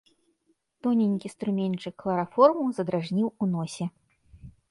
Тоненькі струменьчык хлараформу задражніў у носе.